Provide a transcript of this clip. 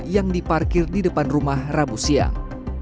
yang diparkir di depan rumah rabu siang